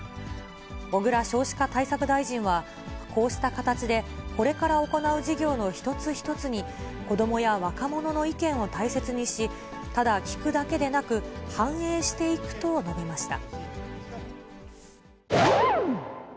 小倉少子化対策大臣は、こうした形で、これから行う事業の一つ一つに、子どもや若者の意見を大切にし、ただ聞くだけでなく、反映していくと述べました。